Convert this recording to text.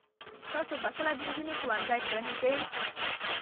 تاسو به کله د نجونو ښوونځي پرانیزئ؟